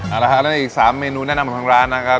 อันตรงนี้คือ๓เมนูแนะนำของทางร้านนะครับ